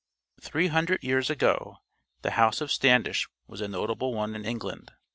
] Three hundred years ago the house of Standish was a notable one in England.